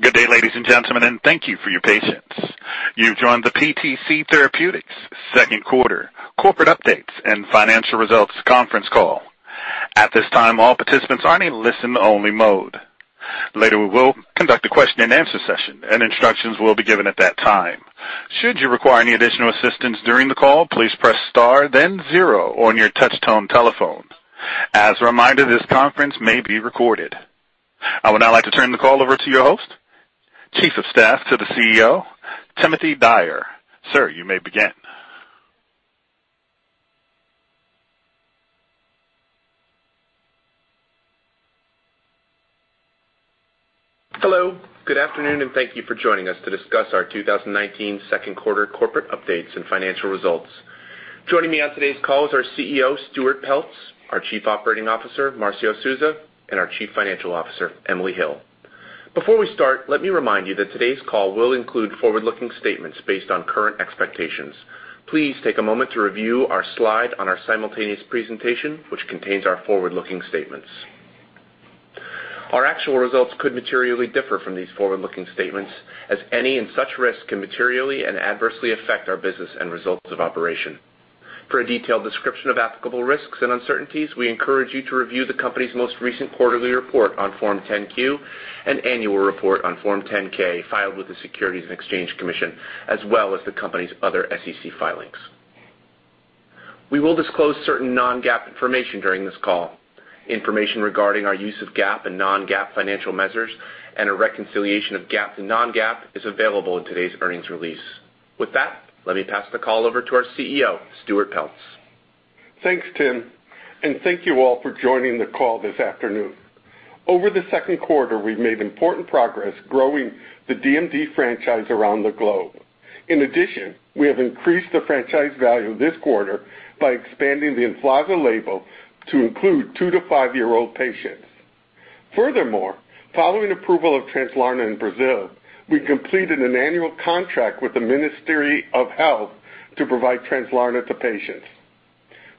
Good day, ladies and gentlemen. Thank you for your patience. You've joined the PTC Therapeutics second quarter corporate updates and financial results conference call. At this time, all participants are in a listen only mode. Later, we will conduct a question and answer session. Instructions will be given at that time. Should you require any additional assistance during the call, please press star then zero on your touchtone telephone. As a reminder, this conference may be recorded. I would now like to turn the call over to your host, Chief of Staff to the CEO, Timothy Dyer. Sir, you may begin. Hello, good afternoon, and thank you for joining us to discuss our 2019 second quarter corporate updates and financial results. Joining me on today's call is our CEO, Stuart Peltz, our Chief Operating Officer, Marcio Souza, and our Chief Financial Officer, Emily Hill. Before we start, let me remind you that today's call will include forward-looking statements based on current expectations. Please take a moment to review our slide on our simultaneous presentation, which contains our forward-looking statements. Our actual results could materially differ from these forward-looking statements, as any and such risks can materially and adversely affect our business and results of operation. For a detailed description of applicable risks and uncertainties, we encourage you to review the company's most recent quarterly report on Form 10-Q and annual report on Form 10-K filed with the Securities and Exchange Commission, as well as the company's other SEC filings. We will disclose certain non-GAAP information during this call. Information regarding our use of GAAP and non-GAAP financial measures and a reconciliation of GAAP to non-GAAP is available in today's earnings release. With that, let me pass the call over to our CEO, Stuart Peltz. Thanks, Tim, and thank you all for joining the call this afternoon. Over the second quarter, we've made important progress growing the DMD franchise around the globe. We have increased the franchise value this quarter by expanding the EMFLAZA label to include two to five-year-old patients. Following approval of Translarna in Brazil, we completed an annual contract with the Ministry of Health to provide Translarna to patients.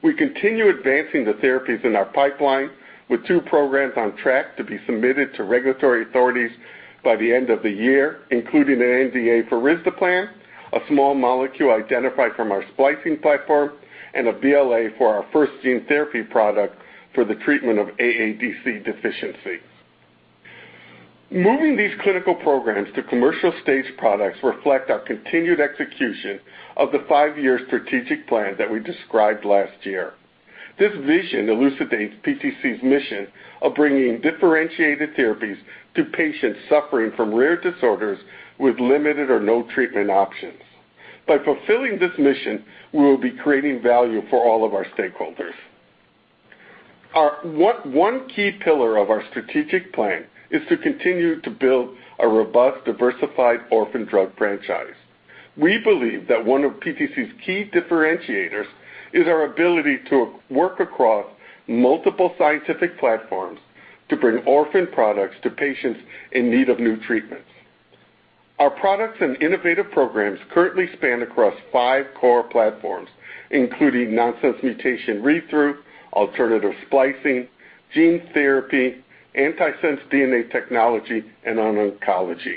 We continue advancing the therapies in our pipeline with two programs on track to be submitted to regulatory authorities by the end of the year, including an NDA for risdiplam, a small molecule identified from our splicing platform, and a BLA for our first gene therapy product for the treatment of AADC deficiency. Moving these clinical programs to commercial stage products reflect our continued execution of the five-year strategic plan that we described last year. This vision elucidates PTC's mission of bringing differentiated therapies to patients suffering from rare disorders with limited or no treatment options. By fulfilling this mission, we will be creating value for all of our stakeholders. One key pillar of our strategic plan is to continue to build a robust, diversified orphan drug franchise. We believe that one of PTC's key differentiators is our ability to work across multiple scientific platforms to bring orphan products to patients in need of new treatments. Our products and innovative programs currently span across five core platforms, including nonsense mutation readthrough, alternative splicing, gene therapy, antisense DNA technology, and oncology.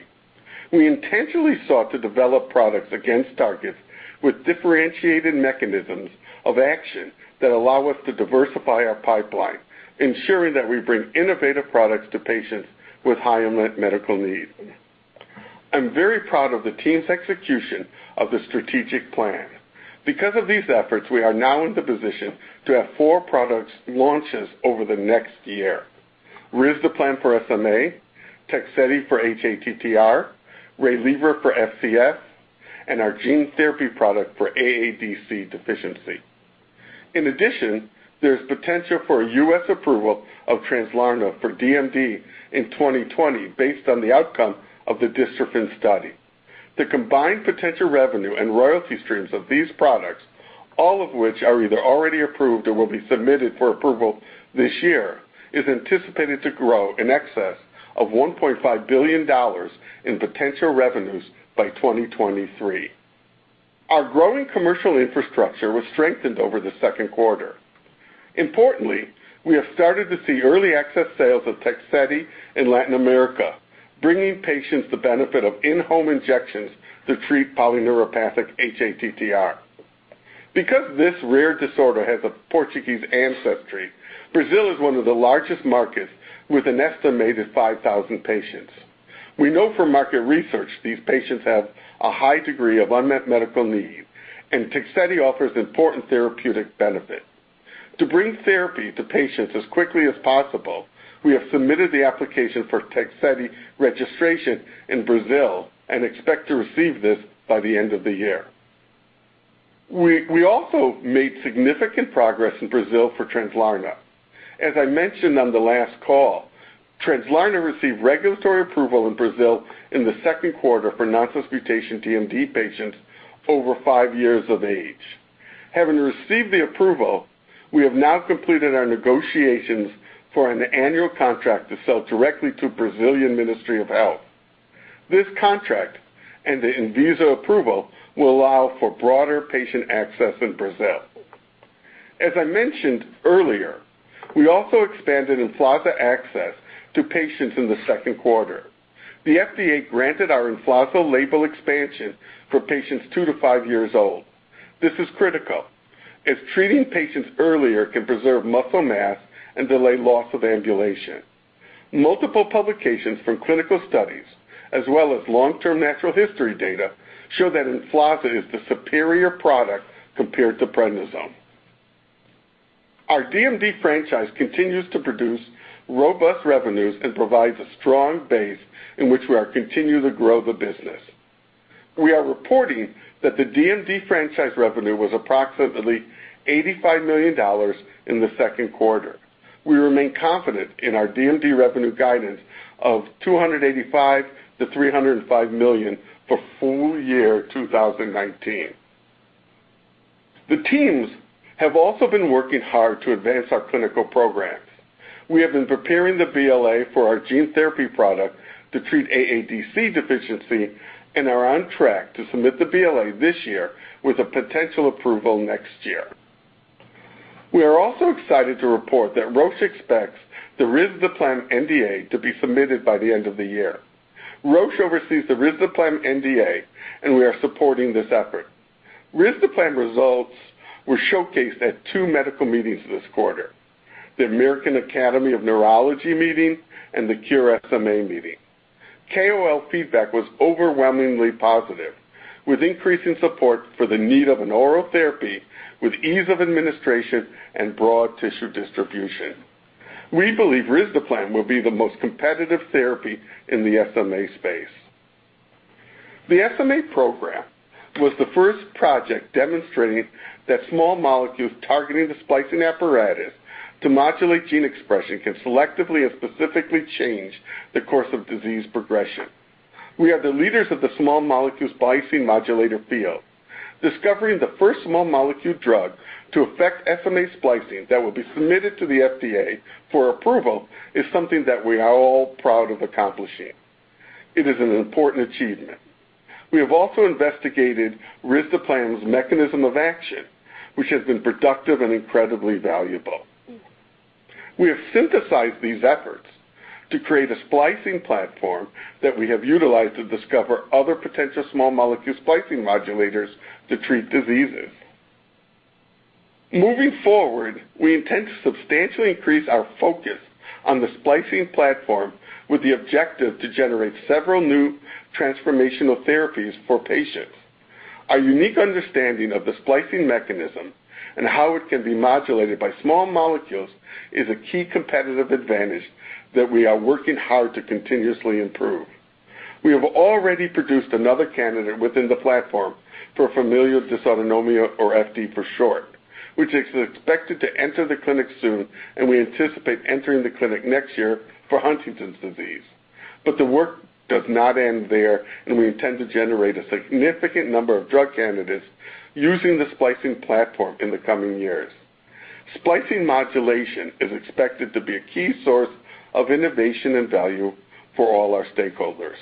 We intentionally sought to develop products against targets with differentiated mechanisms of action that allow us to diversify our pipeline, ensuring that we bring innovative products to patients with high unmet medical need. I'm very proud of the team's execution of the strategic plan. Because of these efforts, we are now in the position to have four product launches over the next year. risdiplam for SMA, Tegsedi for hATTR, Waylivra for FCS, and our gene therapy product for AADC deficiency. In addition, there's potential for a U.S. approval of Translarna for DMD in 2020 based on the outcome of the dystrophin study. The combined potential revenue and royalty streams of these products, all of which are either already approved or will be submitted for approval this year, is anticipated to grow in excess of $1.5 billion in potential revenues by 2023. Our growing commercial infrastructure was strengthened over the second quarter. Importantly, we have started to see early access sales of Tegsedi in Latin America, bringing patients the benefit of in-home injections to treat polyneuropathic hATTR. Because this rare disorder has a Portuguese ancestry, Brazil is one of the largest markets, with an estimated 5,000 patients. We know from market research these patients have a high degree of unmet medical need, and Tegsedi offers important therapeutic benefit. To bring therapy to patients as quickly as possible, we have submitted the application for Tegsedi registration in Brazil and expect to receive this by the end of the year. We also made significant progress in Brazil for Translarna. As I mentioned on the last call, Translarna received regulatory approval in Brazil in the second quarter for nonsense mutation DMD patients over five years of age. Having received the approval, we have now completed our negotiations for an annual contract to sell directly to Brazilian Ministry of Health. This contract and the ANVISA approval will allow for broader patient access in Brazil. As I mentioned earlier, we also expanded EMFLAZA access to patients in the second quarter. The FDA granted our EMFLAZA label expansion for patients two to five years old. This is critical, as treating patients earlier can preserve muscle mass and delay loss of ambulation. Multiple publications from clinical studies, as well as long-term natural history data, show that EMFLAZA is the superior product compared to prednisone. Our DMD franchise continues to produce robust revenues and provides a strong base in which we are continuing to grow the business. We are reporting that the DMD franchise revenue was approximately $85 million in the second quarter. We remain confident in our DMD revenue guidance of $285 million-$305 million for full year 2019. The teams have also been working hard to advance our clinical programs. We have been preparing the BLA for our gene therapy product to treat AADC deficiency and are on track to submit the BLA this year with a potential approval next year. We are also excited to report that Roche expects the risdiplam NDA to be submitted by the end of the year. Roche oversees the risdiplam NDA, and we are supporting this effort. Risdiplam results were showcased at two medical meetings this quarter: the American Academy of Neurology meeting and the Cure SMA meeting. KOL feedback was overwhelmingly positive, with increasing support for the need of an oral therapy with ease of administration and broad tissue distribution. We believe risdiplam will be the most competitive therapy in the SMA space. The SMA program was the first project demonstrating that small molecules targeting the splicing apparatus to modulate gene expression can selectively and specifically change the course of disease progression. We are the leaders of the small molecule splicing modulator field. Discovering the first small molecule drug to affect SMA splicing that will be submitted to the FDA for approval is something that we are all proud of accomplishing. It is an important achievement. We have also investigated risdiplam's mechanism of action, which has been productive and incredibly valuable. We have synthesized these efforts to create a splicing platform that we have utilized to discover other potential small molecule splicing modulators to treat diseases. Moving forward, we intend to substantially increase our focus on the splicing platform with the objective to generate several new transformational therapies for patients. Our unique understanding of the splicing mechanism and how it can be modulated by small molecules is a key competitive advantage that we are working hard to continuously improve. We have already produced another candidate within the platform for familial dysautonomia, or FD for short, which is expected to enter the clinic soon, and we anticipate entering the clinic next year for Huntington's disease. The work does not end there, and we intend to generate a significant number of drug candidates using the splicing platform in the coming years. Splicing modulation is expected to be a key source of innovation and value for all our stakeholders.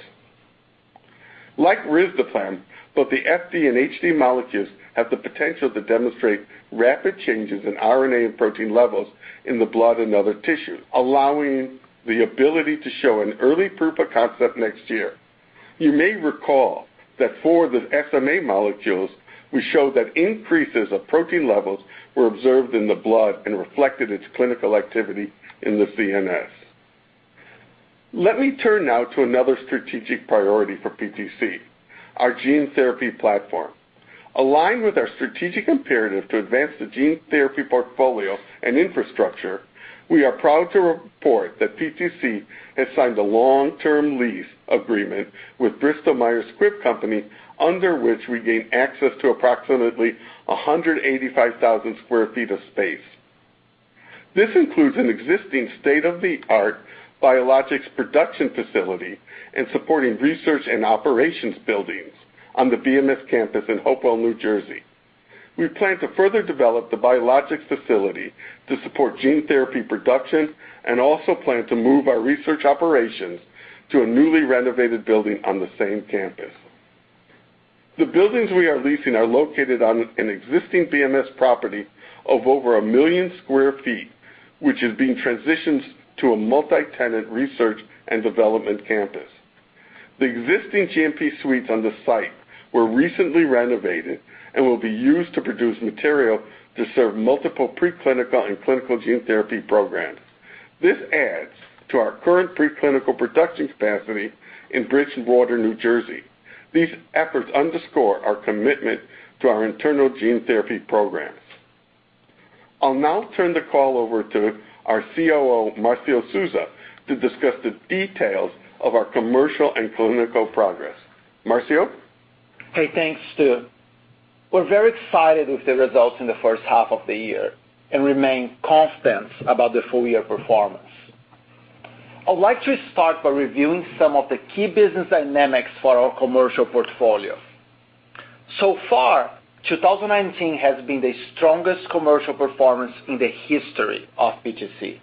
Like risdiplam, both the FD and HD molecules have the potential to demonstrate rapid changes in RNA and protein levels in the blood and other tissues, allowing the ability to show an early proof of concept next year. You may recall that for the SMA molecules, we showed that increases of protein levels were observed in the blood and reflected its clinical activity in the CNS. Let me turn now to another strategic priority for PTC, our gene therapy platform. Aligned with our strategic imperative to advance the gene therapy portfolio and infrastructure, we are proud to report that PTC has signed a long-term lease agreement with Bristol Myers Squibb Company, under which we gain access to approximately 185,000 sq ft of space. This includes an existing state-of-the-art biologics production facility and supporting research and operations buildings on the BMS campus in Hopewell, New Jersey. We plan to further develop the biologics facility to support gene therapy production and also plan to move our research operations to a newly renovated building on the same campus. The buildings we are leasing are located on an existing BMS property of over a million sq ft, which is being transitioned to a multi-tenant research and development campus. The existing GMP suites on the site were recently renovated and will be used to produce material to serve multiple preclinical and clinical gene therapy programs. This adds to our current preclinical production capacity in Bridgewater, New Jersey. These efforts underscore our commitment to our internal gene therapy programs. I'll now turn the call over to our COO, Marcio Souza, to discuss the details of our commercial and clinical progress. Marcio? Hey, thanks, Stu. We're very excited with the results in the first half of the year and remain confident about the full year performance. I'd like to start by reviewing some of the key business dynamics for our commercial portfolio. So far, 2019 has been the strongest commercial performance in the history of PTC.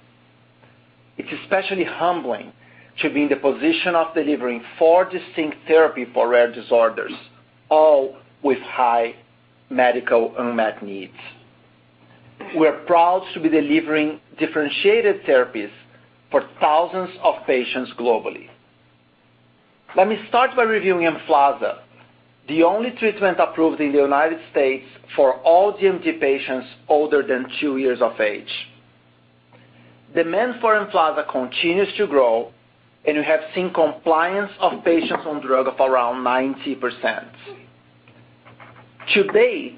It's especially humbling to be in the position of delivering four distinct therapy for rare disorders, all with high medical unmet needs. We're proud to be delivering differentiated therapies for thousands of patients globally. Let me start by reviewing EMFLAZA, the only treatment approved in the U.S. for all DMD patients older than two years of age. Demand for EMFLAZA continues to grow, we have seen compliance of patients on drug of around 90%. To date,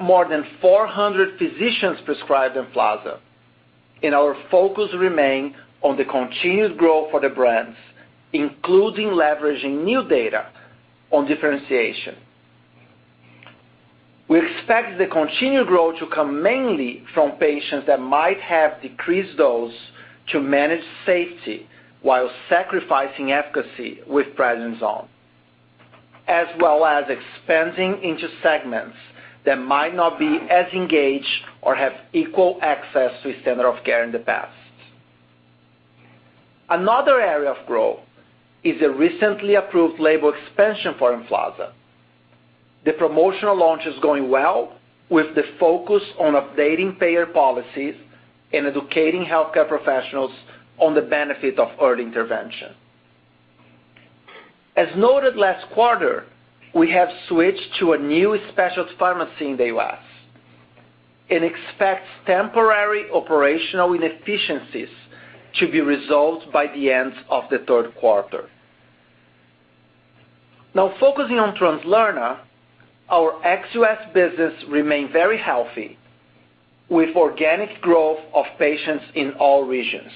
more than 400 physicians prescribed EMFLAZA, and our focus remain on the continued growth for the brands, including leveraging new data on differentiation. We expect the continued growth to come mainly from patients that might have decreased dose to manage safety while sacrificing efficacy with prednisone, as well as expanding into segments that might not be as engaged or have equal access to standard of care in the past. Another area of growth is a recently approved label expansion for EMFLAZA. The promotional launch is going well with the focus on updating payer policies and educating healthcare professionals on the benefit of early intervention. As noted last quarter, we have switched to a new specialist pharmacy in the U.S., and expect temporary operational inefficiencies to be resolved by the end of the third quarter. Now focusing on Translarna, our ex-US business remain very healthy with organic growth of patients in all regions.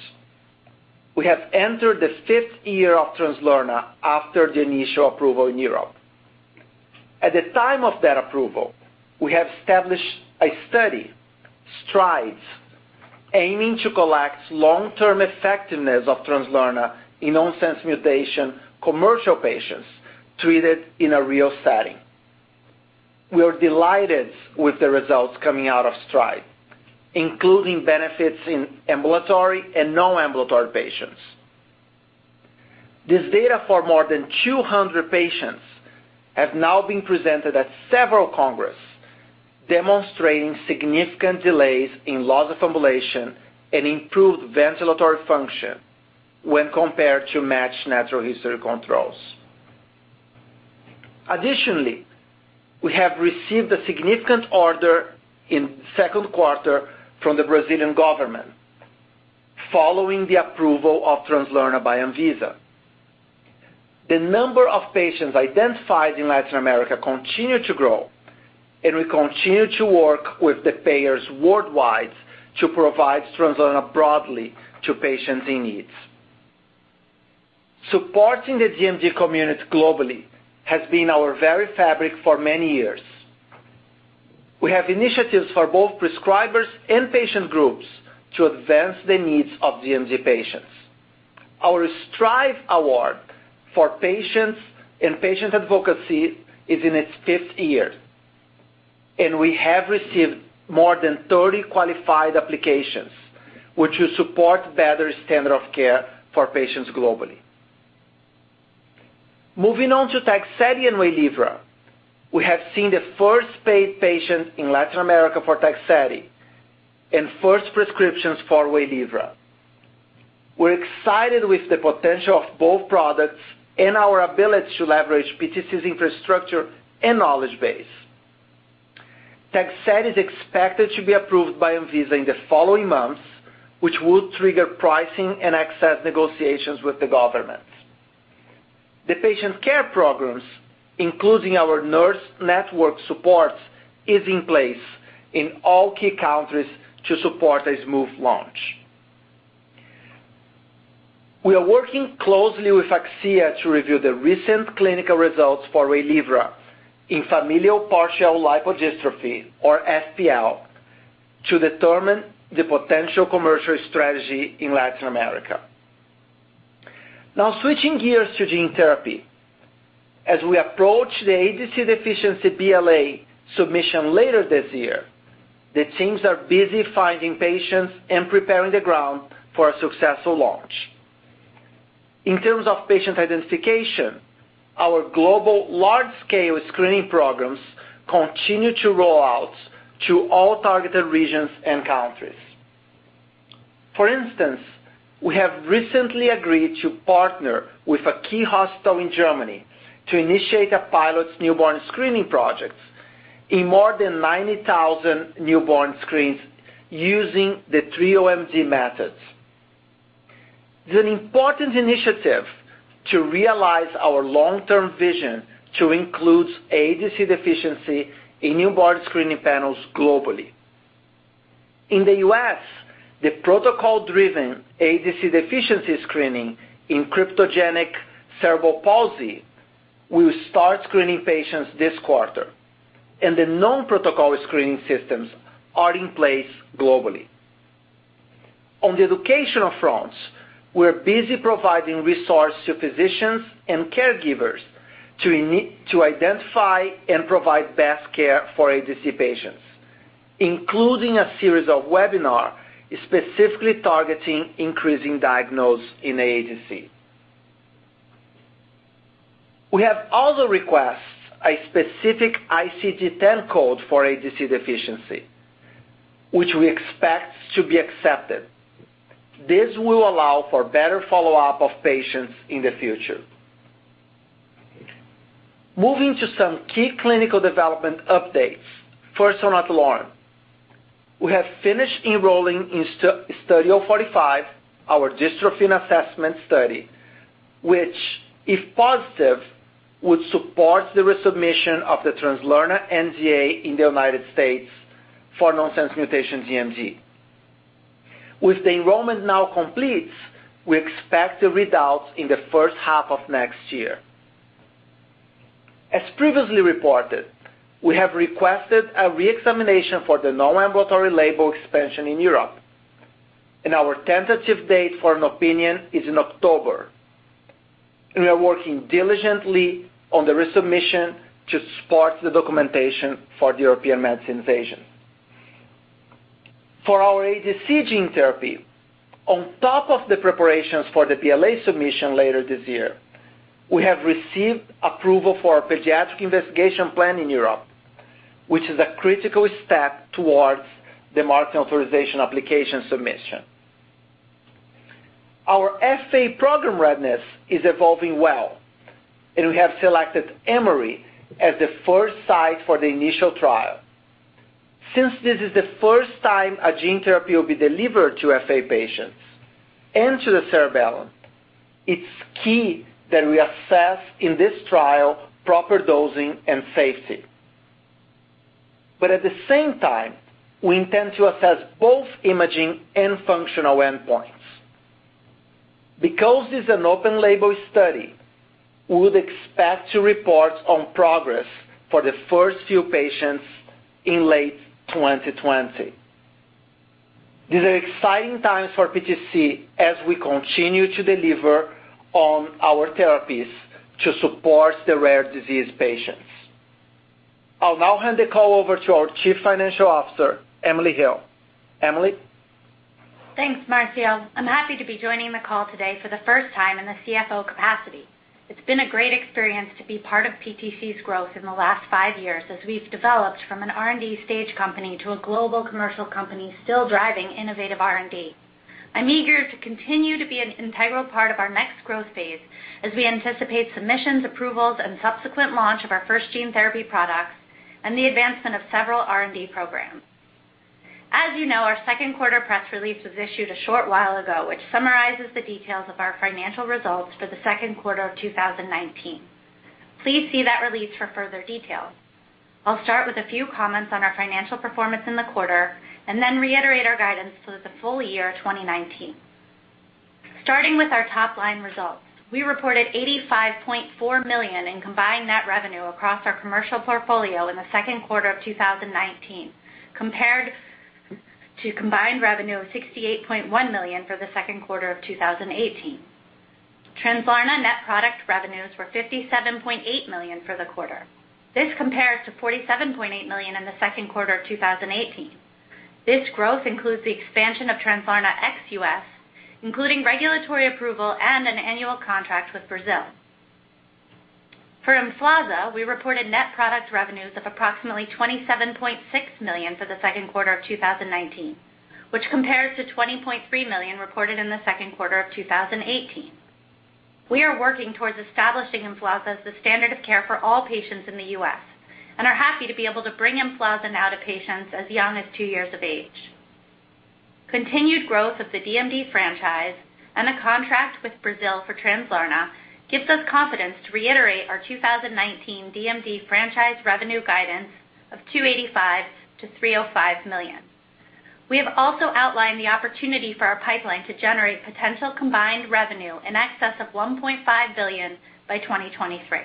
We have entered the fifth year of Translarna after the initial approval in Europe. At the time of that approval, we have established a study, STRIDE, aiming to collect long-term effectiveness of Translarna in nonsense mutation commercial patients treated in a real setting. We are delighted with the results coming out of STRIDE, including benefits in ambulatory and non-ambulatory patients. This data for more than 200 patients have now been presented at several congress, demonstrating significant delays in loss of ambulation and improved ventilatory function when compared to matched natural history controls. Additionally, we have received a significant order in second quarter from the Brazilian Government following the approval of Translarna by ANVISA. The number of patients identified in Latin America continue to grow, and we continue to work with the payers worldwide to provide Translarna broadly to patients in needs. Supporting the DMD community globally has been our very fabric for many years. We have initiatives for both prescribers and patient groups to advance the needs of DMD patients. Our STRIVE award for patients and patient advocacy is in its fifth year, and we have received more than 30 qualified applications, which will support better standard of care for patients globally. Moving on to Tegsedi and Waylivra. We have seen the first paid patient in Latin America for Tegsedi, and first prescriptions for Waylivra. We're excited with the potential of both products and our ability to leverage PTC's infrastructure and knowledge base. Tegsedi is expected to be approved by ANVISA in the following months, which would trigger pricing and access negotiations with the government. The patient care programs, including our nurse network supports, is in place in all key countries to support a smooth launch. We are working closely with Akcea to review the recent clinical results for Waylivra in familial partial lipodystrophy, or FPL, to determine the potential commercial strategy in Latin America. Now switching gears to gene therapy. As we approach the AADC deficiency BLA submission later this year, the teams are busy finding patients and preparing the ground for a successful launch. In terms of patient identification, our global large-scale screening programs continue to roll out to all targeted regions and countries. For instance, we have recently agreed to partner with a key hospital in Germany to initiate a pilot newborn screening projects in more than 90,000 newborn screens using the 3-OMD methods. It is an important initiative to realize our long-term vision to include AADC deficiency in newborn screening panels globally. In the U.S., the protocol-driven AADC deficiency screening in cryptogenic cerebral palsy will start screening patients this quarter. The known protocol screening systems are in place globally. On the educational fronts, we're busy providing resources to physicians and caregivers to identify and provide best care for AADC patients, including a series of webinars, specifically targeting increasing diagnosis in AADC. We have also requested a specific ICD-10 code for AADC deficiency, which we expect to be accepted. This will allow for better follow-up of patients in the future. Moving to some key clinical development updates. First on Translarna. We have finished enrolling in Study 045, our dystrophin assessment study, which, if positive, would support the resubmission of the Translarna NDA in the United States for nonsense mutation DMD. With the enrollment now complete, we expect the readouts in the first half of next year. As previously reported, we have requested a re-examination for the non-ambulatory label expansion in Europe, and our tentative date for an opinion is in October. We are working diligently on the resubmission to support the documentation for the European Medicines Agency. For our AADC gene therapy, on top of the preparations for the BLA submission later this year, we have received approval for our pediatric investigation plan in Europe, which is a critical step towards the market authorization application submission. Our FA program readiness is evolving well, and we have selected Emory University as the first site for the initial trial. Since this is the first time a gene therapy will be delivered to FA patients and to the cerebellum, it's key that we assess in this trial proper dosing and safety. At the same time, we intend to assess both imaging and functional endpoints. Because it's an open label study, we would expect to report on progress for the first few patients in late 2020. These are exciting times for PTC as we continue to deliver on our therapies to support the rare disease patients. I'll now hand the call over to our Chief Financial Officer, Emily Hill. Emily? Thanks, Marcio. I'm happy to be joining the call today for the first time in the CFO capacity. It's been a great experience to be part of PTC's growth in the last five years as we've developed from an R&D stage company to a global commercial company still driving innovative R&D. I'm eager to continue to be an integral part of our next growth phase as we anticipate submissions, approvals, and subsequent launch of our first gene therapy products, and the advancement of several R&D programs. As you know, our second quarter press release was issued a short while ago, which summarizes the details of our financial results for the second quarter of 2019. Please see that release for further details. I'll start with a few comments on our financial performance in the quarter, and then reiterate our guidance for the full year 2019. Starting with our top-line results. We reported $85.4 million in combined net revenue across our commercial portfolio in the second quarter of 2019, compared to combined revenue of $68.1 million for the second quarter of 2018. Translarna net product revenues were $57.8 million for the quarter. This compares to $47.8 million in the second quarter of 2018. This growth includes the expansion of Translarna ex U.S., including regulatory approval and an annual contract with Brazil. For EMFLAZA, we reported net product revenues of approximately $27.6 million for the second quarter of 2019, which compares to $20.3 million reported in the second quarter of 2018. We are working towards establishing EMFLAZA as the standard of care for all patients in the U.S., and are happy to be able to bring EMFLAZA now to patients as young as two years of age. Continued growth of the DMD franchise and a contract with Brazil for Translarna gives us confidence to reiterate our 2019 DMD franchise revenue guidance of $285 million-$305 million. We have also outlined the opportunity for our pipeline to generate potential combined revenue in excess of $1.5 billion by 2023.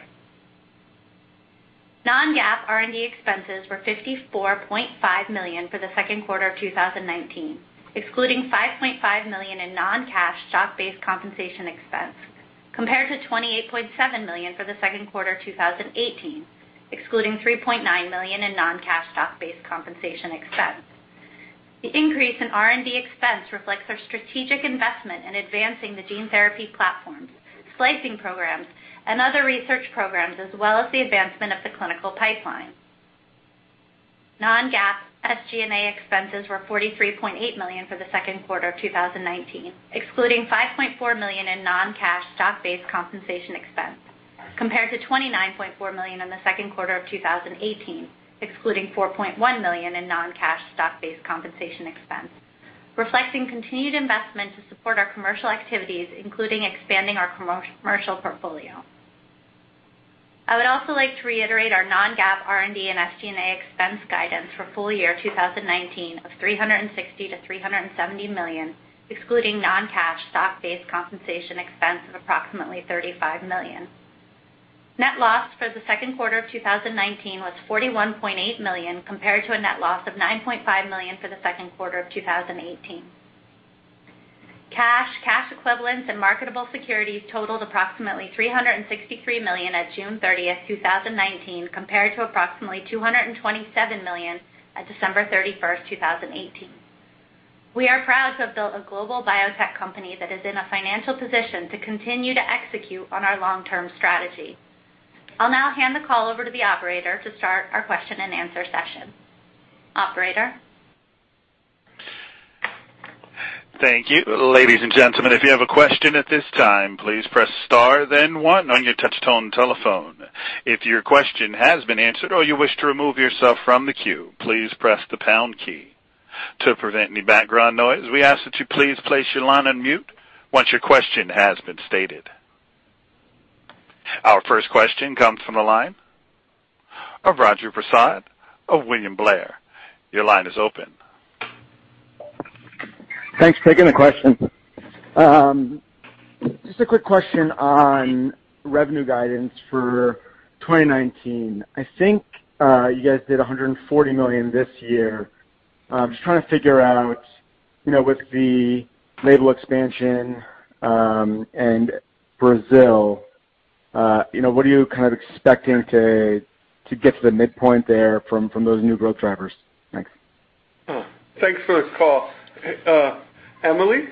Non-GAAP R&D expenses were $54.5 million for the second quarter of 2019, excluding $5.5 million in non-cash stock-based compensation expense, compared to $28.7 million for the second quarter 2018, excluding $3.9 million in non-cash stock-based compensation expense. The increase in R&D expense reflects our strategic investment in advancing the gene therapy platforms, splicing programs, and other research programs, as well as the advancement of the clinical pipeline. Non-GAAP SG&A expenses were $43.8 million for the second quarter of 2019, excluding $5.4 million in non-cash stock-based compensation expense, compared to $29.4 million in the second quarter of 2018, excluding $4.1 million in non-cash stock-based compensation expense, reflecting continued investment to support our commercial activities, including expanding our commercial portfolio. I would also like to reiterate our non-GAAP R&D and SG&A expense guidance for full year 2019 of $360 million-$370 million, excluding non-cash stock-based compensation expense of approximately $35 million. Net loss for the second quarter of 2019 was $41.8 million, compared to a net loss of $9.5 million for the second quarter of 2018. Cash, cash equivalents, and marketable securities totaled approximately $363 million at June 30th, 2019, compared to approximately $227 million at December 31st, 2018. We are proud to have built a global biotech company that is in a financial position to continue to execute on our long-term strategy. I'll now hand the call over to the operator to start our question and answer session. Operator? Thank you. Ladies and gentlemen, if you have a question at this time, please press star then one on your touch-tone telephone. If your question has been answered or you wish to remove yourself from the queue, please press the pound key. To prevent any background noise, we ask that you please place your line on mute once your question has been stated. Our first question comes from the line of Raju Prasad of William Blair. Your line is open. Thanks for taking the question. Just a quick question on revenue guidance for 2019. I think you guys did $140 million this year. Just trying to figure out with the label expansion and Brazil, what are you kind of expecting to get to the midpoint there from those new growth drivers? Thanks. Thanks for the call. Emily?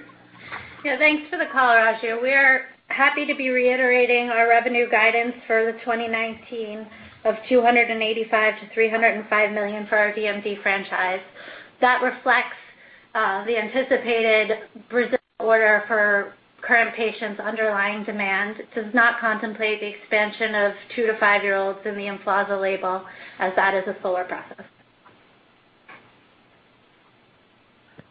Yeah. Thanks for the call, Raju. We are happy to be reiterating our revenue guidance for the 2019 of $285 million-$305 million for our DMD franchise. That reflects the anticipated Brazil order for current patients' underlying demand. It does not contemplate the expansion of two to five-year-olds in the EMFLAZA label, as that is a slower process.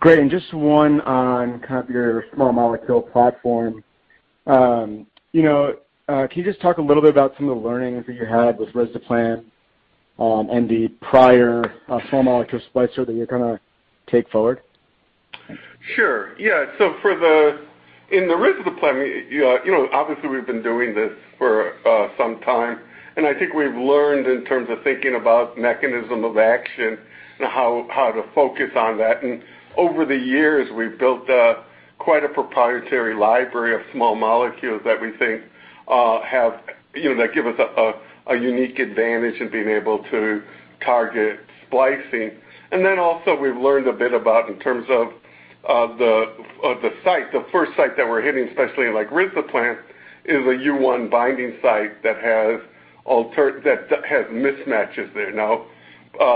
Great. Just one on kind of your small molecule platform. Can you just talk a little bit about some of the learnings that you had with risdiplam and the prior small molecule splicer that you're going to take forward? Sure. Yeah. In the risdiplam, obviously we've been doing this for some time, and I think we've learned in terms of thinking about mechanism of action and how to focus on that. Over the years, we've built quite a proprietary library of small molecules that we think give us a unique advantage in being able to target splicing. Also, we've learned a bit about in terms of the site, the first site that we're hitting, especially in risdiplam, is a U1 binding site that has mismatches there. Now,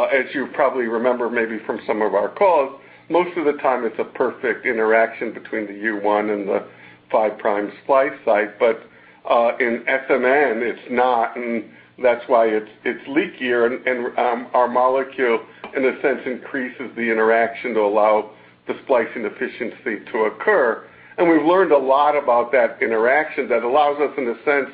as you probably remember, maybe from some of our calls, most of the time it's a perfect interaction between the U1 and the 5 prime splice site. In SMN, it's not, and that's why it's leakier, and our molecule, in a sense, increases the interaction to allow the splicing efficiency to occur. We've learned a lot about that interaction that allows us, in a sense,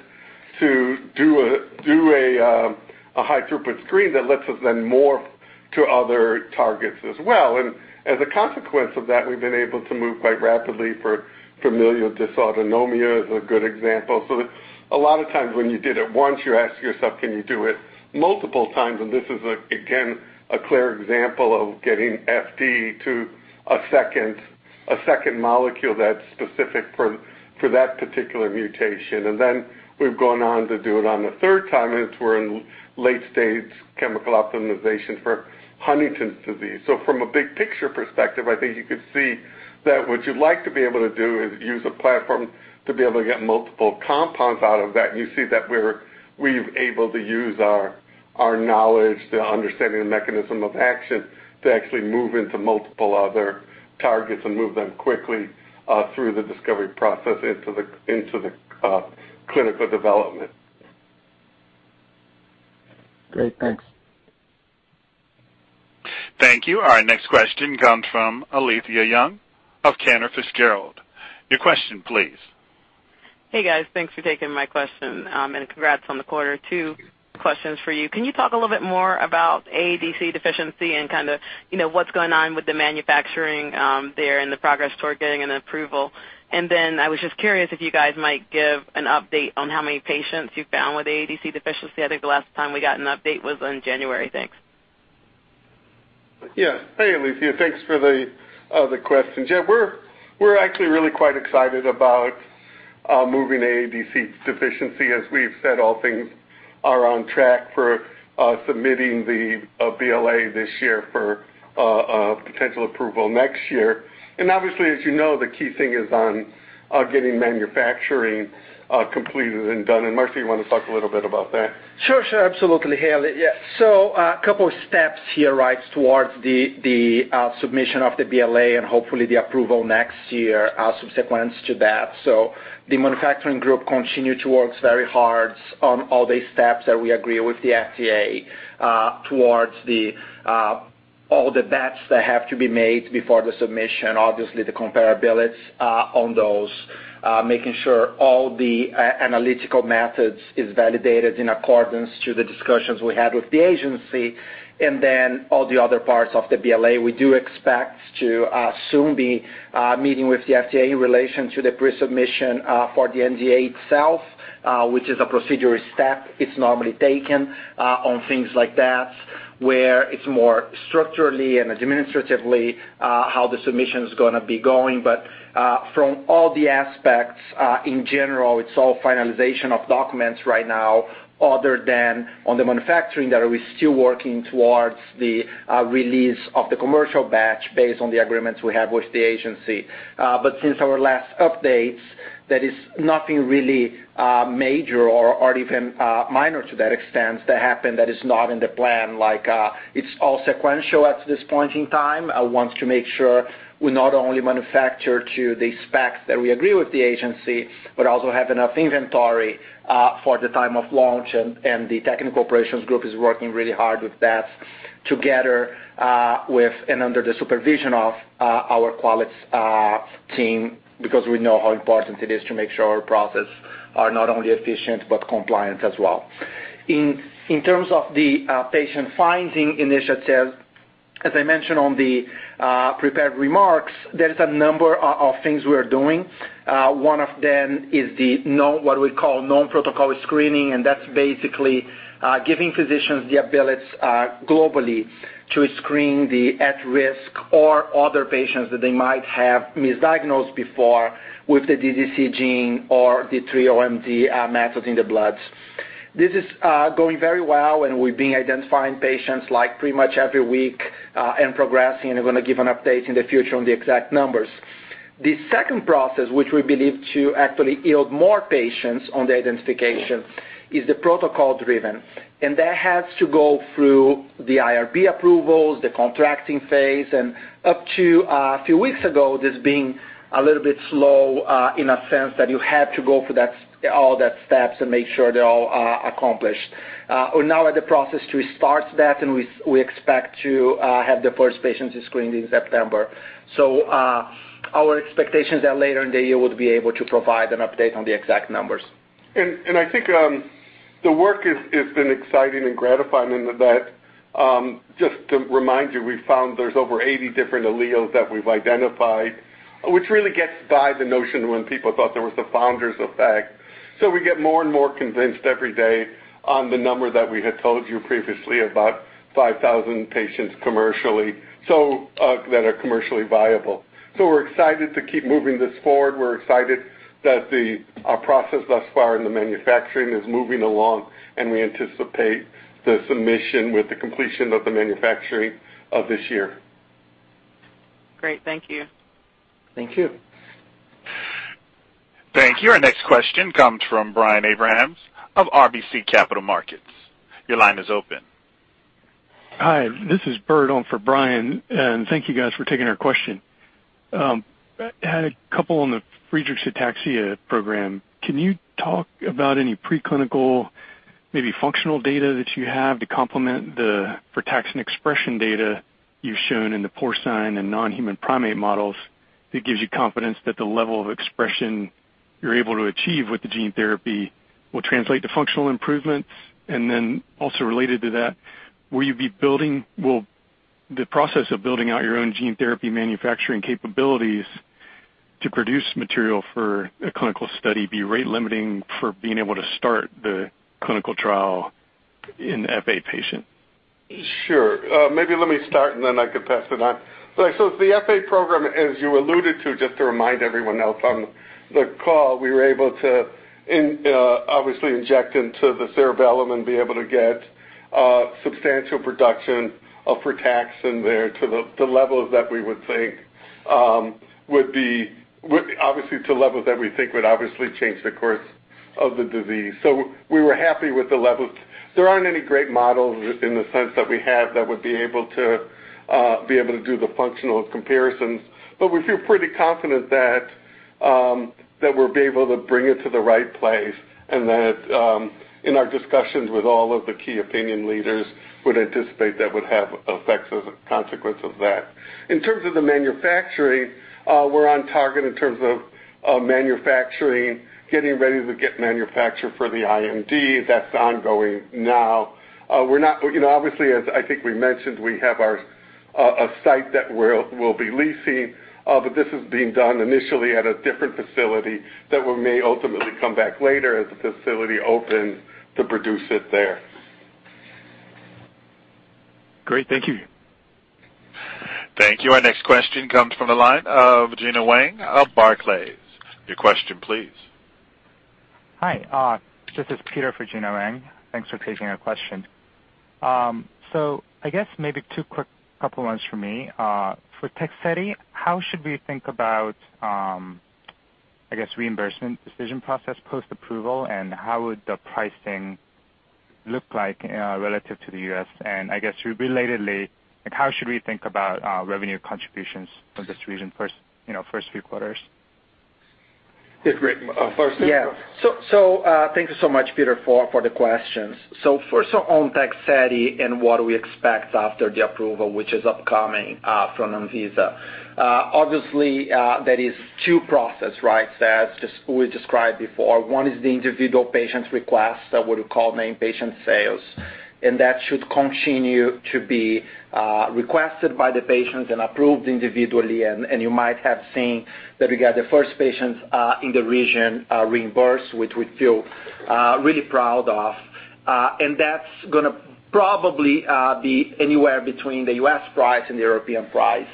to do a high-throughput screen that lets us then morph to other targets as well. As a consequence of that, we've been able to move quite rapidly for familial dysautonomia is a good example. A lot of times when you did it once, you ask yourself, can you do it multiple times? This is, again, a clear example of getting FD to a second molecule that's specific for that particular mutation. Then we've gone on to do it on the third time, and we're in late-stage chemical optimization for Huntington's disease. From a big picture perspective, I think you could see that what you'd like to be able to do is use a platform to be able to get multiple compounds out of that, and you see that we're able to use our knowledge to understanding the mechanism of action to actually move into multiple other targets and move them quickly through the discovery process into the clinical development. Great. Thanks. Thank you. Our next question comes from Alethia Young of Cantor Fitzgerald. Your question, please. Hey, guys. Thanks for taking my question, and congrats on the quarter. Two questions for you. Can you talk a little bit more about AADC deficiency and kind of what's going on with the manufacturing there and the progress toward getting an approval? I was just curious if you guys might give an update on how many patients you found with AADC deficiency. I think the last time we got an update was in January. Thanks. Yeah. Hey, Alethia. Thanks for the questions. Yeah, we're actually really quite excited about moving AADC deficiency. As we've said, all things are on track for submitting the BLA this year for potential approval next year. Obviously, as you know, the key thing is on getting manufacturing completed and done. Marcio, you want to talk a little bit about that? Sure. Absolutely, hey, yeah. A couple of steps here towards the submission of the BLA and hopefully the approval next year subsequent to that. The manufacturing group continue to work very hard on all the steps that we agree with the FDA towards all the batches that have to be made before the submission. Obviously, the comparabilities on those, making sure all the analytical methods is validated in accordance to the discussions we had with the agency, and then all the other parts of the BLA. We do expect to soon be meeting with the FDA in relation to the pre-submission for the NDA itself, which is a procedure step. It's normally taken on things like that, where it's more structurally and administratively how the submission's going to be going. From all the aspects, in general, it's all finalization of documents right now other than on the manufacturing that we're still working towards the release of the commercial batch based on the agreements we have with the agency. Since our last updates, that is nothing really major or even minor to that extent that happened that is not in the plan. It's all sequential at this point in time. I want to make sure we not only manufacture to the specs that we agree with the agency, but also have enough inventory for the time of launch. The technical operations group is working really hard with that together with, and under the supervision of our quality team, because we know how important it is to make sure our process are not only efficient, but compliant as well. In terms of the patient-finding initiatives, as I mentioned on the prepared remarks, there is a number of things we are doing. One of them is what we call non-protocol screening. That's basically giving physicians the ability globally to screen the at-risk or other patients that they might have misdiagnosed before with the DDC gene or the 3-OMD methods in the blood. This is going very well. We've been identifying patients pretty much every week and progressing. We're going to give an update in the future on the exact numbers. The second process, which we believe to actually yield more patients on the identification, is the protocol-driven, and that has to go through the IRB approvals, the contracting phase, and up to a few weeks ago, that's been a little bit slow in a sense that you have to go through all the steps and make sure they're all accomplished. We're now at the process to restart that, and we expect to have the first patients screened in September. Our expectations are later in the year, we'll be able to provide an update on the exact numbers. I think the work has been exciting and gratifying in that, just to remind you, we've found there's over 80 different alleles that we've identified, which really gets by the notion when people thought there was the founder's effect. We get more and more convinced every day on the number that we had told you previously, about 5,000 patients that are commercially viable. We're excited to keep moving this forward. We're excited that our process thus far in the manufacturing is moving along, and we anticipate the submission with the completion of the manufacturing of this year. Great. Thank you. Thank you. Thank you. Our next question comes from Brian Abrahams of RBC Capital Markets. Your line is open. Hi, this is Bert on for Brian. Thank you guys for taking our question. Had a couple on the Friedreich's ataxia program. Can you talk about any preclinical, maybe functional data that you have to complement the frataxin expression data you've shown in the porcine and non-human primate models that gives you confidence that the level of expression you're able to achieve with the gene therapy will translate to functional improvements? Then also related to that, will the process of building out your own gene therapy manufacturing capabilities to produce material for a clinical study be rate-limiting for being able to start the clinical trial in FA patient? Sure. Maybe let me start, and then I could pass it on. The FA program, as you alluded to, just to remind everyone else on the call, we were able to obviously inject into the cerebellum and be able to get substantial production of frataxin there to the levels that we think would obviously change the course of the disease. We were happy with the levels. There aren't any great models in the sense that we have that would be able to do the functional comparisons, but we feel pretty confident that we'll be able to bring it to the right place and that in our discussions with all of the key opinion leaders, would anticipate that would have effects as a consequence of that. In terms of the manufacturing, we're on target in terms of manufacturing, getting ready to get manufacture for the IND. That's ongoing now. Obviously, as I think we mentioned, we have a site that we'll be leasing. This is being done initially at a different facility that we may ultimately come back later as a facility open to produce it there. Great. Thank you. Thank you. Our next question comes from the line of Gena Wang of Barclays. Your question, please. Hi. This is Peter for Gena Wang. Thanks for taking our question. I guess maybe two quick couple ones for me. For Tegsedi, how should we think about, I guess, reimbursement decision process post-approval, and how would the pricing look like relative to the U.S.? I guess relatedly, how should we think about revenue contributions from this region first few quarters? Yeah, great. First- Yeah. Thank you so much, Peter, for the questions. First on Tegsedi and what we expect after the approval, which is upcoming from ANVISA. Obviously, there is two process, right? That we described before. One is the individual patient's request that we would call named patient sales, and that should continue to be requested by the patients and approved individually. You might have seen that we got the first patients in the region reimbursed, which we feel really proud of. That's going to probably be anywhere between the U.S. price and the European price,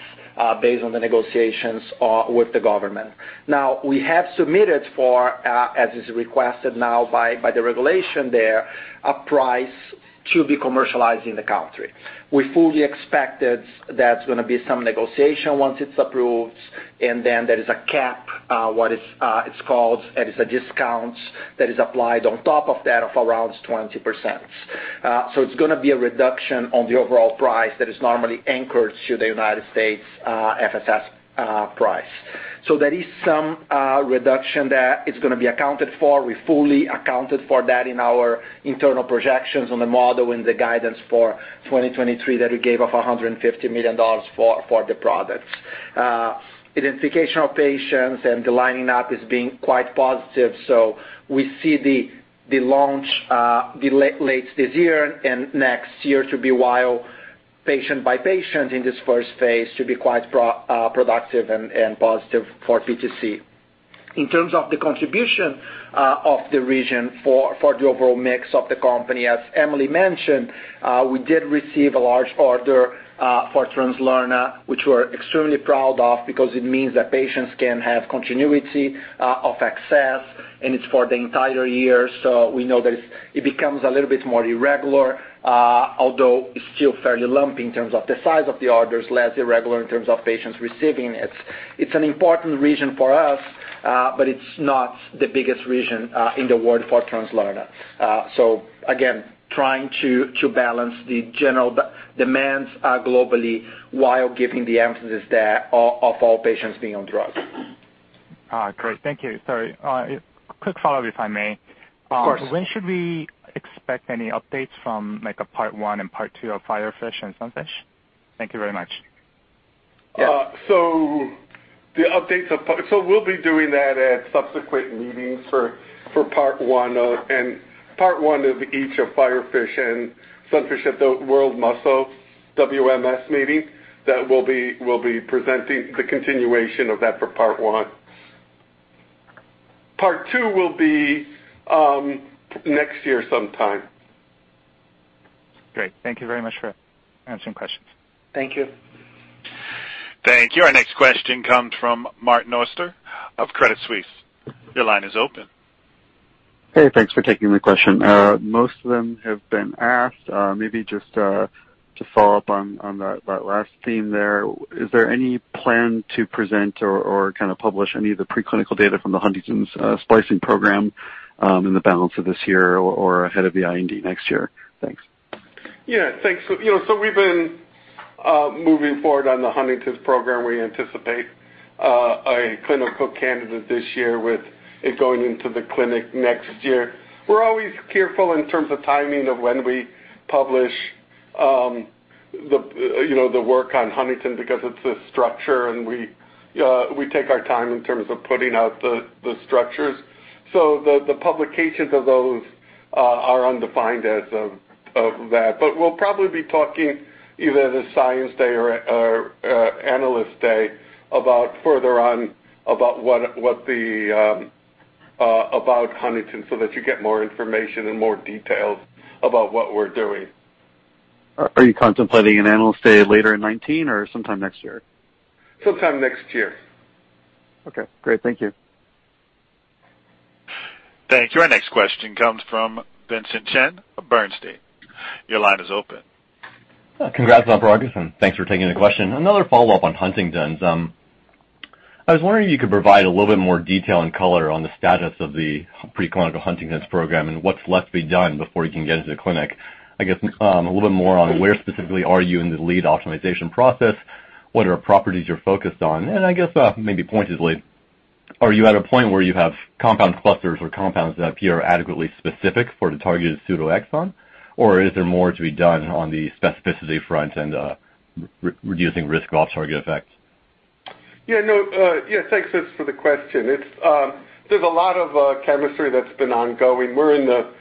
based on the negotiations with the government. Now, we have submitted for, as is requested now by the regulation there, a price to be commercialized in the country. We fully expected there's going to be some negotiation once it's approved, and then there is a cap, it's called. That is a discount that is applied on top of that of around 20%. It's going to be a reduction on the overall price that is normally anchored to the United States FSS price. There is some reduction there. It's going to be accounted for. We fully accounted for that in our internal projections on the model and the guidance for 2023 that we gave of $150 million for the products. Identification of patients and the lining up is being quite positive. We see the launch late this year and next year to be while patient by patient in this first phase to be quite productive and positive for PTC. In terms of the contribution of the region for the overall mix of the company, as Emily mentioned, we did receive a large order for Translarna, which we're extremely proud of because it means that patients can have continuity of access, and it's for the entire year. We know that it becomes a little bit more irregular, although still fairly lumpy in terms of the size of the orders, less irregular in terms of patients receiving it. It's an important region for us, but it's not the biggest region in the world for Translarna. Again, trying to balance the general demands globally while giving the emphasis there of all patients being on drug. Great. Thank you. Sorry. Quick follow-up, if I may. Of course. When should we expect any updates from a Part One and Part Two of FIREFISH and SUNFISH? Thank you very much. We'll be doing that at subsequent meetings for Part One. Part One of each of FIREFISH and SUNFISH at the World Muscle Society, WMS meeting, that we'll be presenting the continuation of that for Part One. Part Two will be next year sometime. Great. Thank you very much for answering questions. Thank you. Thank you. Our next question comes from Martin Auster of Credit Suisse. Your line is open. Hey, thanks for taking my question. Most of them have been asked. Maybe just to follow up on that last theme there. Is there any plan to present or kind of publish any of the preclinical data from the Huntington's splicing program in the balance of this year or ahead of the IND next year? Thanks. Yeah. Thanks. We've been moving forward on the Huntington's program. We anticipate a clinical candidate this year with it going into the clinic next year. We're always careful in terms of timing of when we publish the work on Huntington's because it's a structure, and we take our time in terms of putting out the structures. The publications of those are undefined as of that. We'll probably be talking either at a Science Day or Analyst Day about further on about Huntington's so that you get more information and more details about what we're doing. Are you contemplating an Analyst Day later in 2019 or sometime next year? Sometime next year. Okay, great. Thank you. Thank you. Our next question comes from Vincent Chen of Bernstein. Your line is open. Congrats on progress, thanks for taking the question. Another follow-up on Huntington's. I was wondering if you could provide a little bit more detail and color on the status of the preclinical Huntington's program and what's left to be done before you can get into the clinic. I guess a little bit more on where specifically are you in the lead optimization process, what are properties you're focused on, and I guess maybe pointedly, are you at a point where you have compound clusters or compounds that appear adequately specific for the targeted pseudoexon? Is there more to be done on the specificity front and reducing risk-off target effects? No. Thanks for the question. There's a lot of chemistry that's been ongoing. We're in the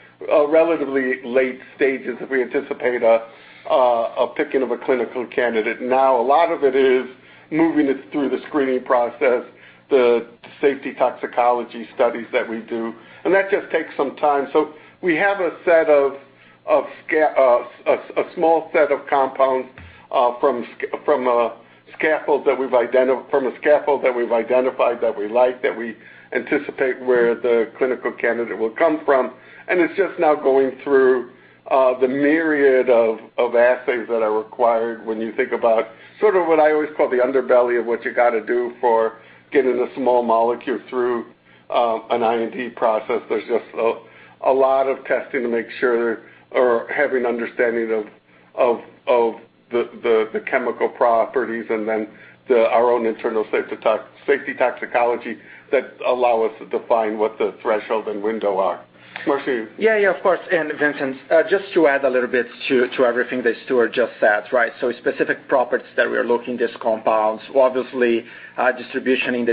relatively late stages, and we anticipate a picking of a clinical candidate now. A lot of it is moving it through the screening process, the safety toxicology studies that we do, and that just takes some time. We have a small set of compounds from a scaffold that we've identified that we like, that we anticipate where the clinical candidate will come from, and it's just now going through the myriad of assays that are required when you think about sort of what I always call the underbelly of what you got to do for getting a small molecule through an IND process. There's just a lot of testing to make sure or having understanding of the chemical properties and then our own internal safety toxicology that allow us to define what the threshold and window are. Marcio? Yeah, of course. Vincent, just to add a little bit to everything that Stuart just said, right? Specific properties that we are looking these compounds, obviously, distribution in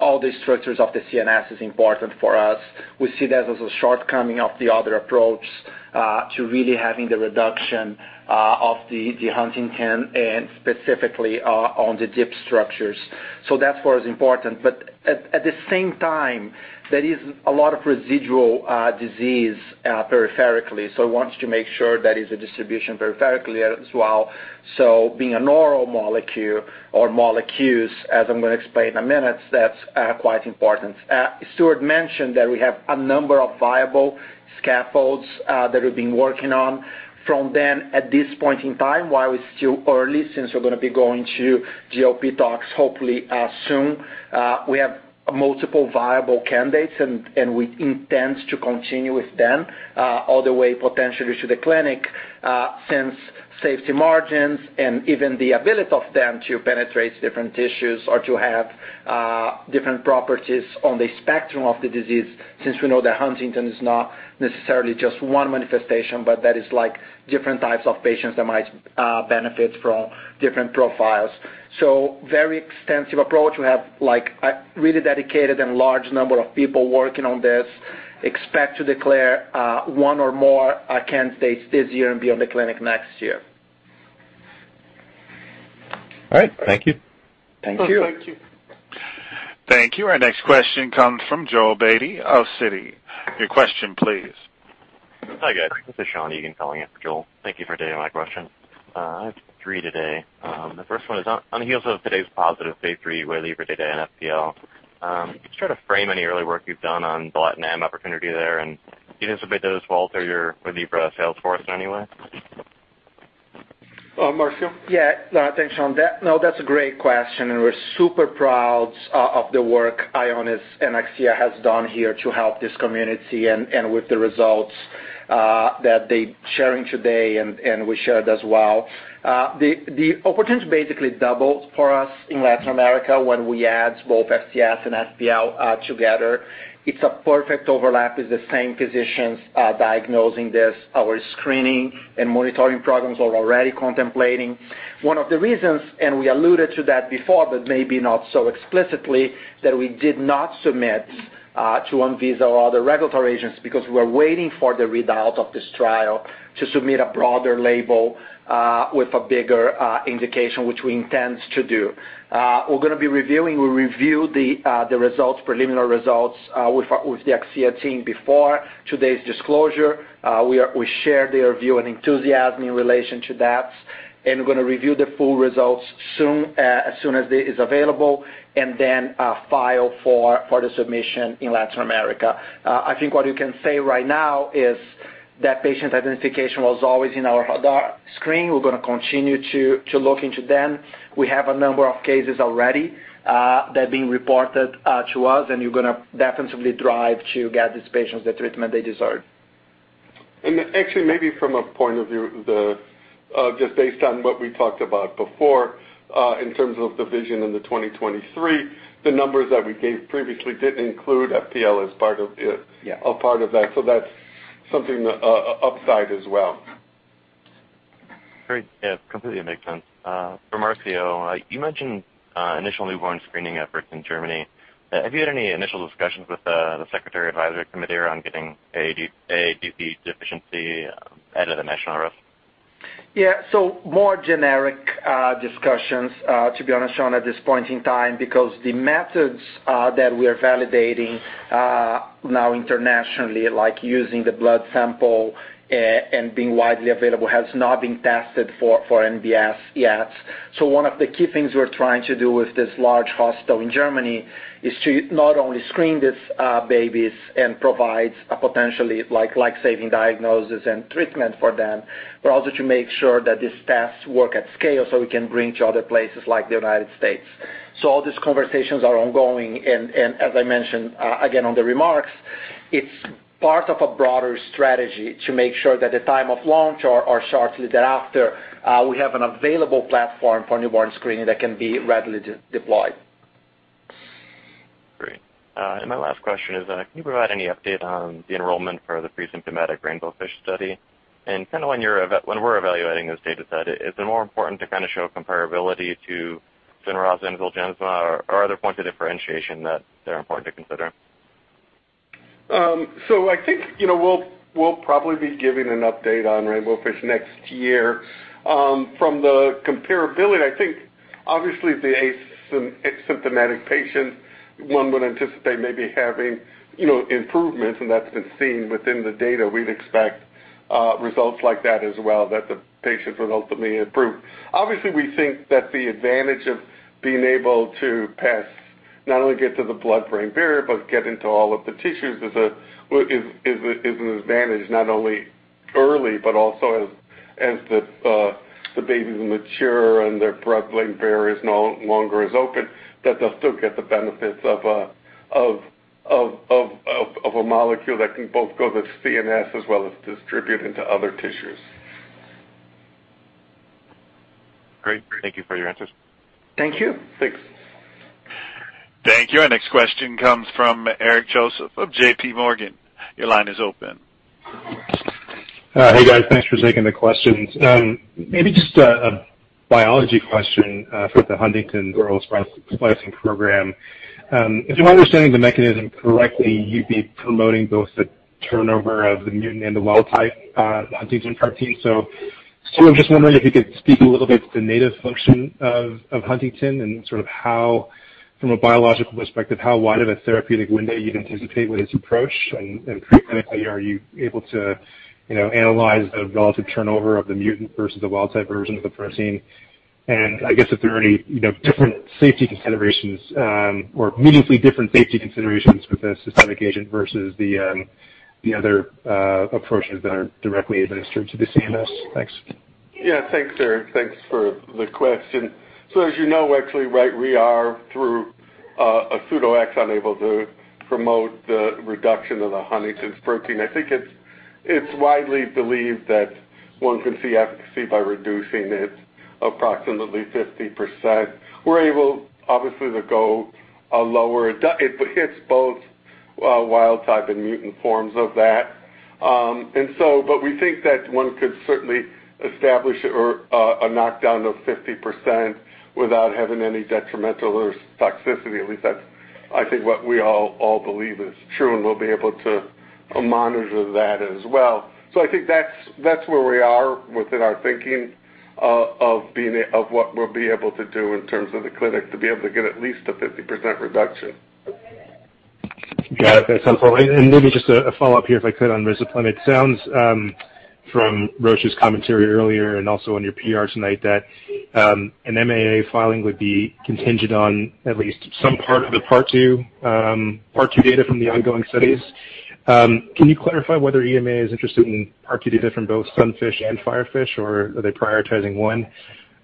all the structures of the CNS is important for us. We see that as a shortcoming of the other approach to really having the reduction of the Huntington and specifically on the DIP structures. That part is important. At the same time, there is a lot of residual disease peripherally. We want to make sure there is a distribution peripherally as well. Being an oral molecule or molecules, as I'm going to explain in a minute, that's quite important. Stuart mentioned that we have a number of viable scaffolds that we've been working on. At this point in time, while it's still early, since we're going to be going to GLP tox hopefully soon, we have multiple viable candidates, and we intend to continue with them all the way potentially to the clinic, since safety margins and even the ability of them to penetrate different tissues or to have different properties on the spectrum of the disease, since we know that Huntington's is not necessarily just one manifestation, but that is different types of patients that might benefit from different profiles. Very extensive approach. We have a really dedicated and large number of people working on this. Expect to declare one or more candidates this year and be in the clinic next year. All right. Thank you. Thank you. Thank you. Thank you. Our next question comes from Joel Beatty of Citi. Your question, please. Hi, guys. This is Shawn Egan calling in for Joel. Thank you for taking my question. I have three today. The first one is on the heels of today's positive phase III with Waylivra data and FPL. Can you try to frame any early work you've done on the LATAM opportunity there, and do you anticipate those will alter your Waylivra sales force in any way? Marcio? Thanks, Shawn. That's a great question, and we're super proud of the work Ionis and Akcea has done here to help this community and with the results that they're sharing today and we shared as well. The opportunity basically doubles for us in Latin America when we add both FCS and FPL together. It's a perfect overlap. It's the same physicians diagnosing this. Our screening and monitoring programs are already contemplating one of the reasons, and we alluded to that before, but maybe not so explicitly, that we did not submit to ANVISA or other regulatory agencies because we're waiting for the readouts of this trial to submit a broader label with a bigger indication, which we intend to do. We reviewed the preliminary results with the Akcea team before today's disclosure. We share their view and enthusiasm in relation to that, and we're going to review the full results as soon as it is available and then file for the submission in Latin America. I think what you can say right now is that patient identification was always in our screen. We're going to continue to look into them. We have a number of cases already that are being reported to us, and we're going to definitively drive to get these patients the treatment they deserve. actually, maybe from a point of view, just based on what we talked about before in terms of the vision in the 2023, the numbers that we gave previously didn't include FPL as part of it. Yeah a part of that. That's something upside as well. Great. Yeah, completely makes sense. For Marcio, you mentioned initial newborn screening efforts in Germany. Have you had any initial discussions with the Secretary Advisory Committee on getting AADC deficiency added to the national risk? Yeah. More generic discussions, to be honest, Shawn, at this point in time, because the methods that we are validating now internationally, like using the blood sample and being widely available, has not been tested for NBS yet. One of the key things we're trying to do with this large hospital in Germany is to not only screen these babies and provide a potentially life-saving diagnosis and treatment for them, but also to make sure that these tests work at scale so we can bring to other places like the U.S. All these conversations are ongoing, and as I mentioned again on the remarks, it's part of a broader strategy to make sure that the time of launch or shortly thereafter, we have an available platform for newborn screening that can be readily deployed. Great. My last question is, can you provide any update on the enrollment for the presymptomatic RAINBOWFISH study? When we're evaluating this data set, is it more important to show comparability to Novartis's Zolgensma, or are there points of differentiation that are important to consider? I think we'll probably be giving an update on RAINBOWFISH next year. From the comparability, I think obviously the asymptomatic patient, one would anticipate maybe having improvements, and that's been seen within the data. We'd expect results like that as well, that the patients would ultimately improve. Obviously, we think that the advantage of being able to pass, not only get to the blood-brain barrier, but get into all of the tissues is an advantage, not only early, but also as the babies mature and their blood-brain barrier is no longer as open, that they'll still get the benefits of a molecule that can both go to the CNS as well as distribute into other tissues. Great. Thank you for your answers. Thank you. Thanks. Thank you. Our next question comes from Eric Joseph of JPMorgan. Your line is open. Hey, guys. Thanks for taking the questions. Maybe just a biology question for the Huntington splicing program. If I'm understanding the mechanism correctly, you'd be promoting both the turnover of the mutant and the wild type Huntingtin protein. Just wondering if you could speak a little bit to the native function of Huntingtin and sort of how, from a biological perspective, how wide of a therapeutic window you'd anticipate with this approach, and preclinically, are you able to analyze the relative turnover of the mutant versus the wild type version of the protein? I guess if there are any different safety considerations or meaningfully different safety considerations with the systemic agent versus the other approaches that are directly administered to the CNS. Thanks. Yeah, thanks, Eric. Thanks for the question. As you know, actually, right we are, through a pseudoexon, able to promote the reduction of the Huntington's protein. I think it's widely believed that one can see efficacy by reducing it approximately 50%. We're able, obviously, to go lower. It hits both wild type and mutant forms of that. We think that one could certainly establish or a knockdown of 50% without having any detrimental or toxicity. At least that's, I think, what we all believe is true, and we'll be able to monitor that as well. I think that's where we are within our thinking of what we'll be able to do in terms of the clinic to be able to get at least a 50% reduction. Got it. That's helpful. Maybe just a follow-up here, if I could, on risdiplam. It sounds, from Roche's commentary earlier and also on your PR tonight, that an MAA filing would be contingent on at least some part of the Part 2 data from the ongoing studies. Can you clarify whether EMA is interested in Part 2 data from both SUNFISH and FIREFISH, or are they prioritizing one?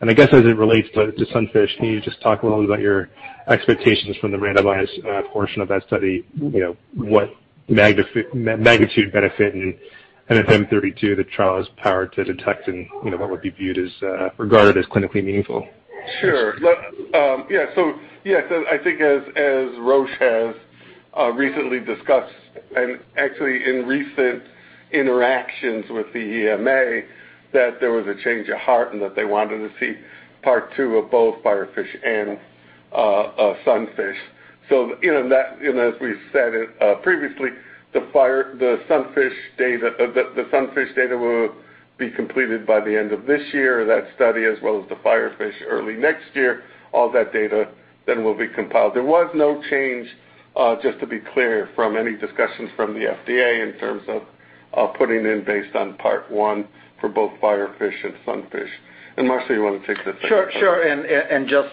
I guess as it relates to SUNFISH, can you just talk a little about your expectations from the randomized portion of that study? What magnitude benefit in MFM32 the trial is powered to detect and what would be regarded as clinically meaningful? Sure. Yeah, I think as Roche has recently discussed, and actually in recent interactions with the EMA, that there was a change of heart and that they wanted to see Part 2 of both FIREFISH and SUNFISH. As we've said it previously, the SUNFISH data will be completed by the end of this year, that study, as well as the FIREFISH early next year. All that data will be compiled. There was no change, just to be clear, from any discussions from the FDA in terms of putting in based on Part 1 for both FIREFISH and SUNFISH. Marcio, you want to take this? Sure.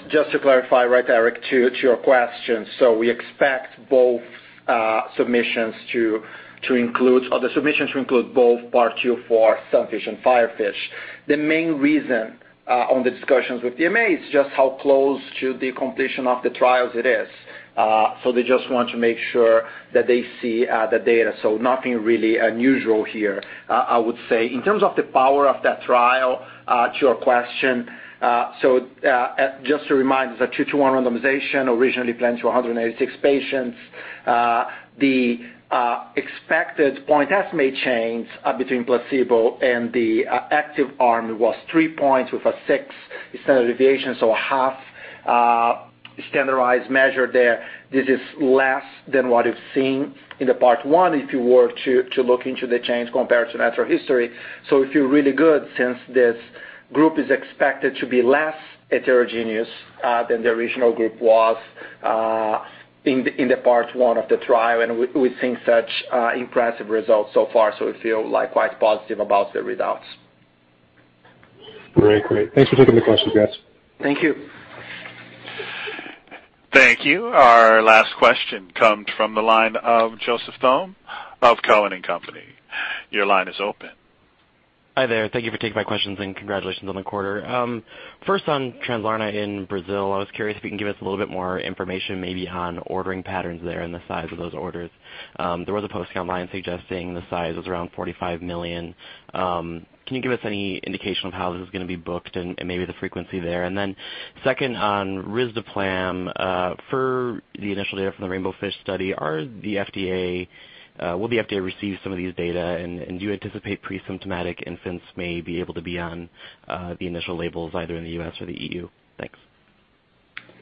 Just to clarify, right, Eric, to your question. We expect both submissions to include both Part 2 for SUNFISH and FIREFISH. The main reason on the discussions with EMA is just how close to the completion of the trials it is. They just want to make sure that they see the data. Nothing really unusual here, I would say. In terms of the power of that trial, to your question, just to remind, it's a 2 to 1 randomization, originally planned to 186 patients. The expected point estimate change between placebo and the active arm was 3 points with a 6 standard deviation, so a half standardized measure there. This is less than what we've seen in the Part 1, if you were to look into the change compared to natural history. It feel really good since this group is expected to be less heterogeneous than the original group was in the Part One of the trial, and we've seen such impressive results so far. We feel quite positive about the results. Great. Thanks for taking the questions, guys. Thank you. Thank you. Our last question comes from the line of Joseph Thome of Cowen and Company. Your line is open. Hi there. Thank you for taking my questions, and congratulations on the quarter. First on Translarna in Brazil, I was curious if you can give us a little bit more information, maybe on ordering patterns there and the size of those orders. There was a post online suggesting the size was around $45 million. Can you give us any indication of how this is going to be booked and maybe the frequency there? Second on risdiplam, for the initial data from the Rainbow Fish study, will the FDA receive some of these data, and do you anticipate presymptomatic infants may be able to be on the initial labels either in the U.S. or the EU? Thanks.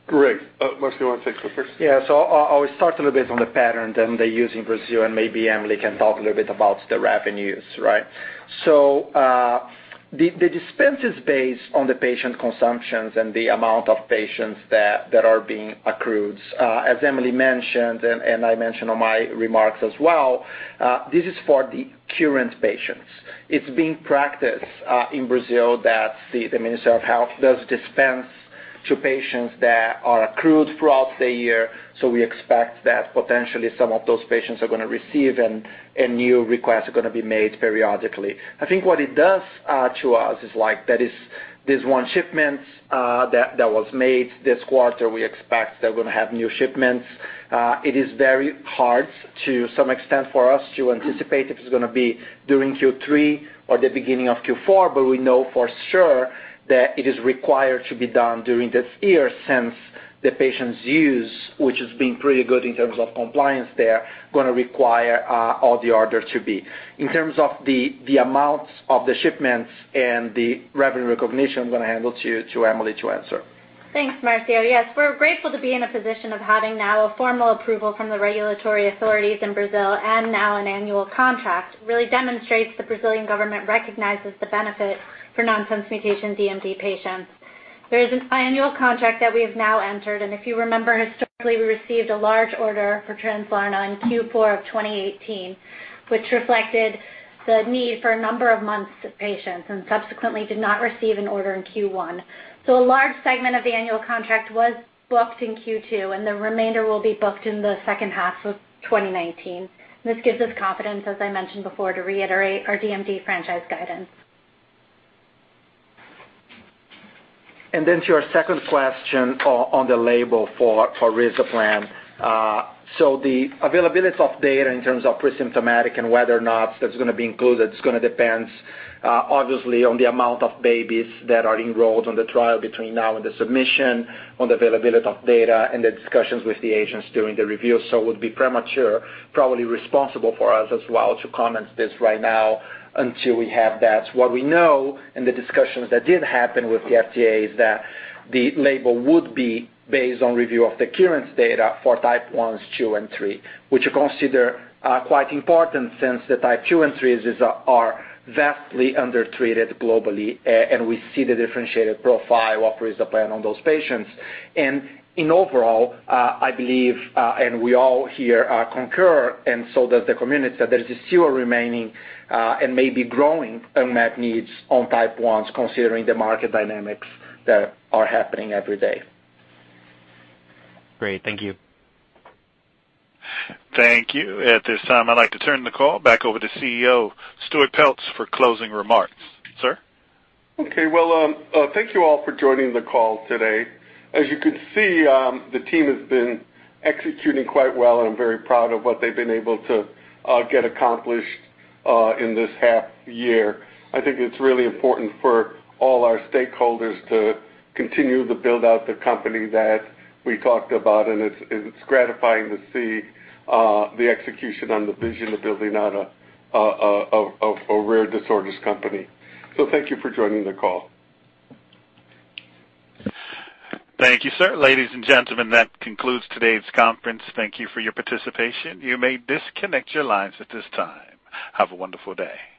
Great. Marcio, you want to take the first? Yeah. I'll start a little bit on the pattern then they use in Brazil, and maybe Emily can talk a little bit about the revenues. Right. The dispense is based on the patient consumptions and the amount of patients that are being accrued. As Emily mentioned, and I mentioned on my remarks as well, this is for the current patients. It's being practiced in Brazil that the Ministry of Health does dispense to patients that are accrued throughout the year. We expect that potentially some of those patients are going to receive and new requests are going to be made periodically. I think what it does to us is there's one shipment that was made this quarter. We expect they're going to have new shipments. It is very hard to some extent for us to anticipate if it's going to be during Q3 or the beginning of Q4, but we know for sure that it is required to be done during this year since the patients' use, which has been pretty good in terms of compliance there, going to require all the orders to be. In terms of the amounts of the shipments and the revenue recognition, I'm going to hand over to you to Emily to answer. Thanks, Marcio. Yes, we're grateful to be in a position of having now a formal approval from the regulatory authorities in Brazil and now an annual contract. Really demonstrates the Brazilian government recognizes the benefit for nonsense mutation DMD patients. There is an annual contract that we have now entered, and if you remember historically, we received a large order for Translarna in Q4 of 2018, which reflected The need for a number of months of patients and subsequently did not receive an order in Q1. A large segment of the annual contract was booked in Q2, and the remainder will be booked in the second half of 2019. This gives us confidence, as I mentioned before, to reiterate our DMD franchise guidance. To your second question on the label for risdiplam. The availability of data in terms of presymptomatic and whether or not that's going to be included, it's going to depend, obviously, on the amount of babies that are enrolled on the trial between now and the submission, on the availability of data, and the discussions with the agents doing the review. It would be premature, probably responsible for us as well, to comment this right now until we have that. What we know in the discussions that did happen with the FDA is that the label would be based on review of the current data for type 1s, 2, and 3, which we consider quite important since the type 2 and 3s are vastly undertreated globally, and we see the differentiated profile of risdiplam on those patients. In overall, I believe, and we all here concur, and so does the community, that there is still a remaining, and maybe growing, unmet needs on type 1s, considering the market dynamics that are happening every day. Great. Thank you. Thank you. At this time, I'd like to turn the call back over to CEO Stuart Peltz for closing remarks. Sir? Okay. Well, thank you all for joining the call today. As you can see, the team has been executing quite well, and I'm very proud of what they've been able to get accomplished in this half year. I think it's really important for all our stakeholders to continue to build out the company that we talked about, and it's gratifying to see the execution on the vision of building out a rare disorders company. Thank you for joining the call. Thank you, sir. Ladies and gentlemen, that concludes today's conference. Thank you for your participation. You may disconnect your lines at this time. Have a wonderful day.